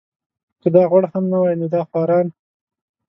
که دا غوړ هم نه وای نو دا خواران.